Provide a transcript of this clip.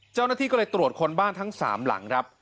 เจ้าหน้าที่ก็เลยตรวจคนบ้านทั้ง๓หลังครับ